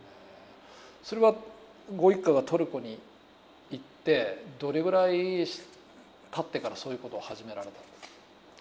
それはご一家がトルコに行ってどれぐらいたってからそういうことを始められたんですか。